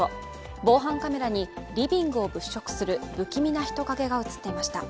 防犯カメラに、リビングを物色する不気味な人影が映っていました。